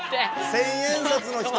千円札の人